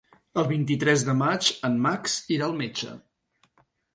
El vint-i-tres de maig en Max irà al metge.